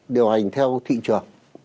điều hành theo thị trường